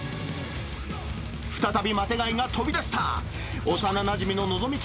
再びマテ貝が飛び出した。